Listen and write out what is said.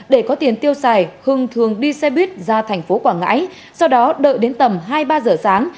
để có tiền tiêu xài hưng thường đi xe buýt ra thành phố quảng ngãi sau đó đợi đến tầm hai ba giờ sáng